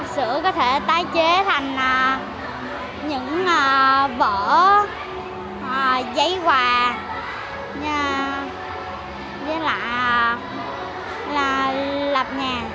sửa có thể tái chế thành những vỡ giấy quà với lại là lập nhà